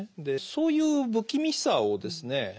でそういう不気味さをですね